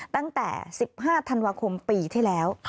ตั้งแต่๑๕ธันวาคมปีที่แล้ว